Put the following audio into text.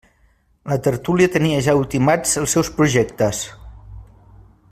La tertúlia tenia ja ultimats els seus projectes.